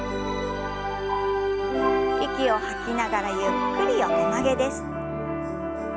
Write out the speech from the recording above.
息を吐きながらゆっくり横曲げです。